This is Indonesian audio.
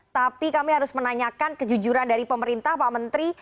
tapi kami harus menanyakan kejujuran dari pemerintah pak menteri